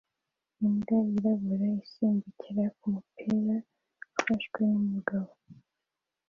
Imbwa yirabura isimbukira kumupira ufashwe numugabo